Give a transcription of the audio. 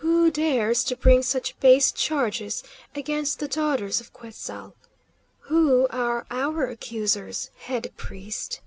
"Who dares to bring such base charges against the Daughters of Quetzal'? Who are our accusers, head priest?"